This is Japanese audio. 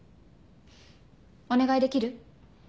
お願いできる？